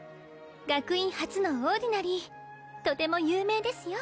学院初のオーディナリーとても有名ですよ